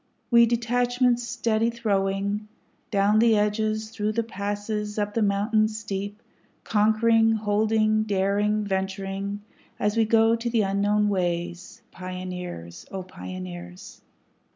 We detachments steady throwing, Down the edges, through the passes, up the mountains steep, Conquering, holding, daring, venturing, as we go the unknown ways, Pioneers! O Pioneers!